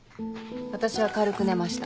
私は軽く寝ました。